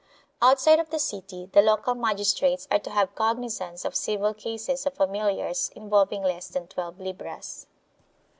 Outside of the city the local magistrates are to have cognizance of civil cases of familiars involving less than twelve libras.